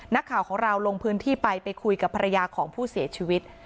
นักข่าวของเราลงพื้นที่ไปไปคุยกับภรรยาของผู้เสียชีวิต